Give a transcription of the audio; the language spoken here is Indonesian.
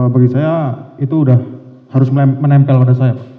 bagi saya itu sudah harus menempel pada saya